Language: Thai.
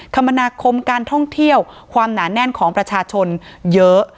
คมนาคมการท่องเที่ยวความหนาแน่นของประชาชนเยอะ